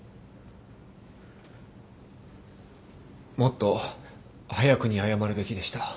もっと早くに謝るべきでした。